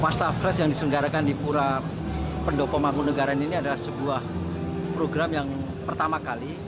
wastafresh yang diselenggarakan di pura pendopo mangkunagaran ini adalah sebuah program yang pertama kali